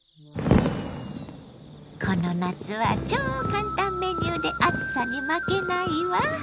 この夏は超簡単メニューで暑さに負けないわ。